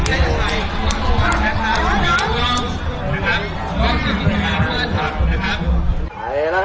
เปิดสิ่งนี้ได้แล้วครับเริ่มเลิกใหม่นะครับ